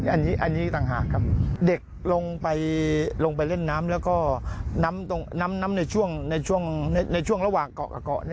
อันนี้ต่างหากครับเด็กลงไปลงไปเล่นน้ำแล้วก็น้ำในช่วงระหว่างเกาะกับเกาะ